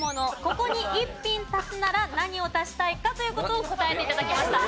ここに一品足すなら何を足したいかという事を答えて頂きました。